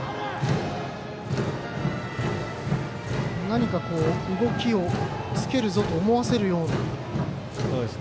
何か、動きをつけるぞと思わせるような。